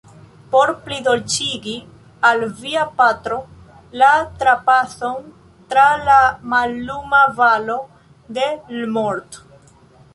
por plidolĉigi al via patro la trapason tra la malluma valo de l’morto.